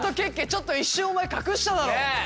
ちょっと一瞬お前隠しただろ。